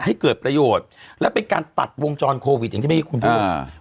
ให้เกิดประโยชน์และเป็นการตัดวงจรโควิดอย่างที่เมื่อกี้คุณพูด